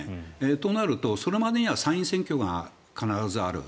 となるとそれまでには参院選挙が必ずある。